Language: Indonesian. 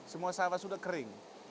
semua sawah sudah kering